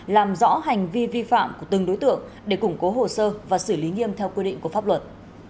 làm rõ hành vi vi phạm của từng đối tượng để củng cố hồ sơ và xử lý nghiêm theo quy định của pháp luật